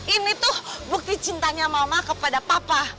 ini tuh bukti cintanya mama kepada papa